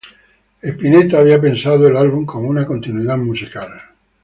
Spinetta había pensado el álbum como una continuidad musical.